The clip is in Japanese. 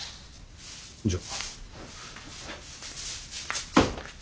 じゃあ。